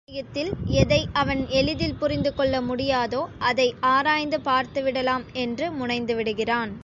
அதே சமயத்தில், எதை அவன் எளிதில் புரிந்து கொள்ள முடியாதோ, அதை ஆராய்ந்து பார்த்துவிடலாம் என்று முனைந்துவிடுகிறான்.